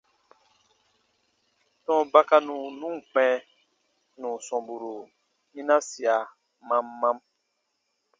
Tɔ̃ɔ bakanu nu ǹ kpɛ̃ nù sɔmburu yinasia mam mam.